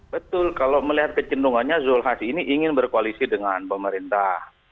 betul kalau melihat kecenderungannya zulkifli hasan ini ingin berkoalisi dengan pemerintah